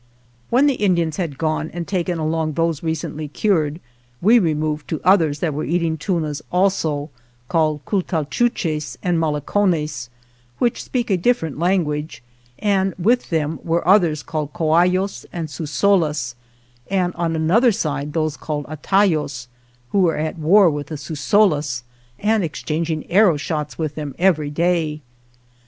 When the Indians had gone and taken along those recently cured, we removed to others that were eating tunas also, called Cultalchuches and Malicones, which speak a different language, and with them were others, called Coayos and Susolas, and on another side those called Atayos, who were at war with the Susolas, and exchanging arrow shots with them every day.